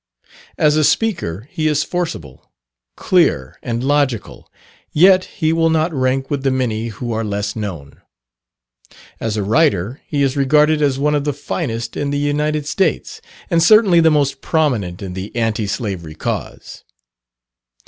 As a speaker, he is forcible, clear, and logical, yet he will not rank with the many who are less known. As a writer, he is regarded as one of the finest in the United States, and certainly the most prominent in the Anti Slavery cause.